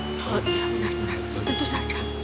oh iya benar benar tentu saja